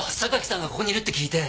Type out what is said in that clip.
榊さんがここにいるって聞いて。